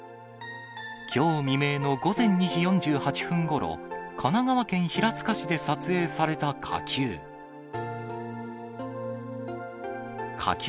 きょう未明の午前２時４８分ごろ、神奈川県平塚市で撮影された火球。